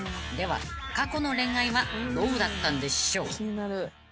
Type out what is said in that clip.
［では過去の恋愛はどうだったんでしょう？］